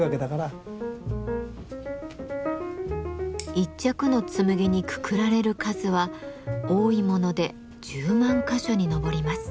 １着の紬にくくられる数は多いもので１０万か所に上ります。